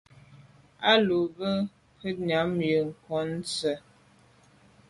A lo be be kwinyàm ke yon nse’e.